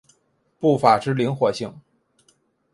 步法之灵活性。